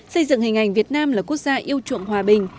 xây dựng hình ảnh việt nam là quốc gia yêu chuộng hòa bình